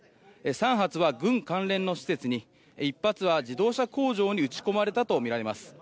３発は軍関連の施設に１発は自動車工場に撃ち込まれたとみられます。